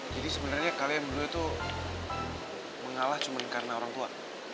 jadi sebenernya kalian berdua tuh mengalah cuma karena orang tua